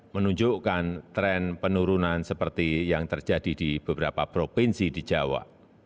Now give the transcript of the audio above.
menunjukkan tren penurunan seperti yang terjadi di beberapa provinsi di jawa